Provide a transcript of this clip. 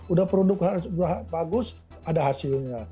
udah produk bagus ada hasilnya